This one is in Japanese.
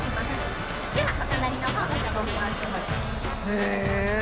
へえ！